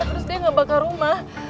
terus dia gak bakal rumah